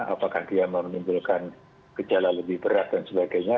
apakah dia menimbulkan gejala lebih berat dan sebagainya